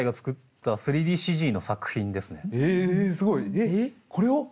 えっこれを？